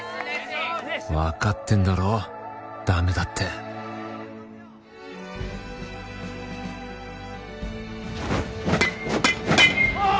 分かってんだろダメだってあっ！